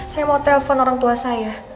saya mau telpon orang tua saya